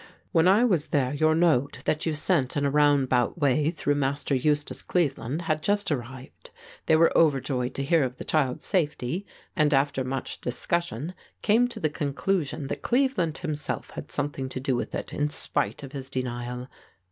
"When I was there your note, that you sent in a round about way through Master Eustace Cleveland, had just arrived. They were overjoyed to hear of the child's safety and after much discussion came to the conclusion that Cleveland himself had something to do with it in spite of his denial.